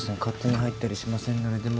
勝手に入ったりしませんので。